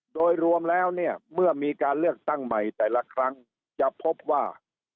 โดยรวมแล้วเนี่ยเมื่อมีการเลือกตั้งใหม่แต่ละครั้งจะพบว่า